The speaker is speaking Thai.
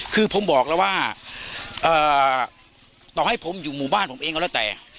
คือผมบอกแล้วว่าต่อให้ผมอยู่หมู่บ้านผมเองก็แล้วแต่